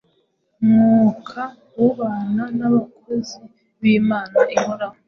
Mwuka ubana n’abakozi b’Imana ihoraho